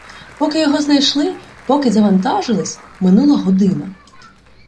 Поки його знайшли, поки завантажились — минула година.